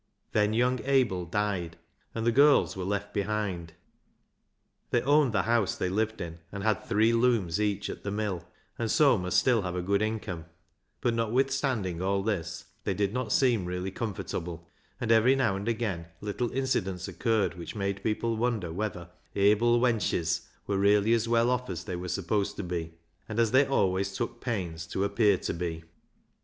Then young Abel died, and the girls were left behind. They owned the house they lived in, and had three looms each at the mill, and so must still have a good income ; but notwithstanding all this they did not seem really comfortable, and every now and again little incidents occurred which made people wonder whether " Abil wenches" were really as well off as they were supposed to be, and as they always took pains to appear to be.